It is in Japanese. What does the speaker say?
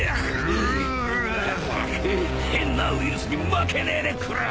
変なウイルスに負けねえでくれ！